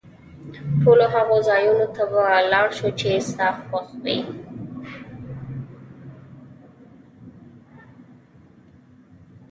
ټولو هغو ځایونو ته به ولاړ شو، چي ستا خوښ وي.